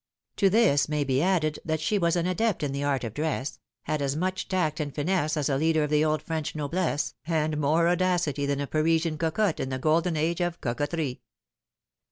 To this may be added that she was an adept in the art of dress, had as much tact and finesse as a leader of the old French noblesse, and more audacity than a Parisian cocotte in the golden age of Cocotterie.